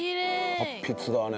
達筆だね。